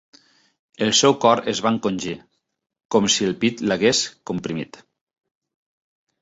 El seu cor es va encongir, com si el pit l'hagués comprimit.